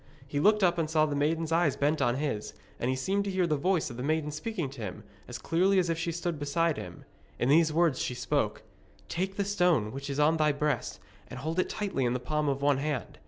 He looked up and saw the maiden's eyes bent on his, and he seemed to hear the voice of the maiden speaking to him, as clearly as if she stood beside him. In these words she spoke: 'Take that stone which is on thy breast, and hold it tightly in the palm of one hand.